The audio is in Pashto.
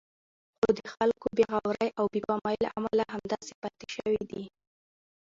خو د خلکو بې غورئ او بې پامۍ له امله همداسې پاتې شوی دی.